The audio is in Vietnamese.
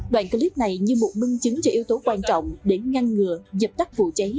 đoàn clip này như một mưng chứng cho yếu tố quan trọng để ngăn ngừa dập tắt vụ cháy